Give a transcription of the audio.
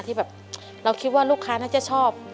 ที่แบบเราคิดว่าลูกค้าน่าจะชอบ